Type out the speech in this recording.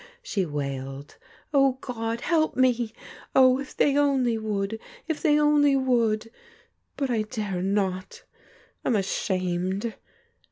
she wailed. *Oh, God, hdp me! Oh, if diey only would, if they oolj would! Bat I dare not! Fin ashamed!"